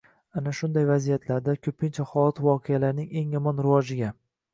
Aynan shunday vaziyatlarda ko‘pincha holat voqealarning eng yomon rivojiga –